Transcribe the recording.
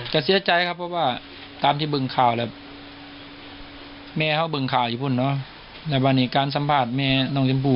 ด้วยมันใจเมื่อส่งของเจ้าหลอนเรียนมาที่มันไปหมู่ในที่มันต้องอยู่